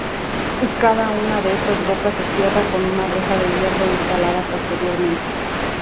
Cada una de estas bocas se cierra con una reja de hierro instalada posteriormente.